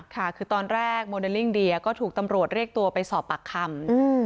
ค่ะคือตอนแรกโมเดลลิ่งเดียก็ถูกตำรวจเรียกตัวไปสอบปากคำ